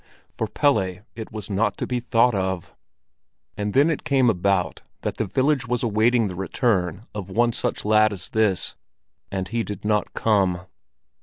For Pelle it was not to be thought of. And then it came about that the village was awaiting the return of one such lad as this, and he did not come.